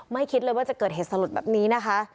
คิดเลยว่าจะเกิดเหตุสลดแบบนี้นะคะ